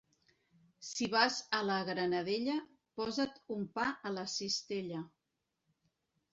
Si vas a la Granadella, posa't un pa a la cistella.